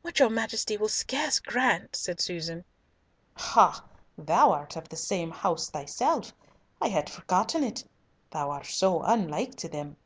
"What your Majesty will scarce grant," said Susan. "Ha! thou art of the same house thyself. I had forgotten it; thou art so unlike to them.